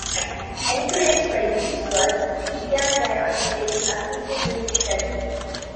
Encouraged by these words, he began by undertaking a feasibility study.